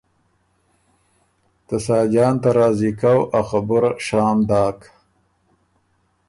ته ساجان ته راضی کؤ ا خبُره شام داک